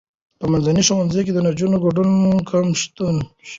په منځني ښوونځي کې د نجونو ګډون کم شوی.